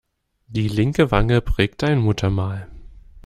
Die linke Wange prägte ein Muttermal.